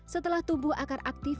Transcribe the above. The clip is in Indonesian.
setelah tumbuh akar aktif